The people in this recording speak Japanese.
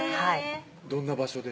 どんな場所で？